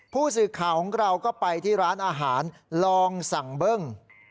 ผู้สื่อข่าวของเราก็ไปที่ร้านอาหารลองสั่งเบิ้ง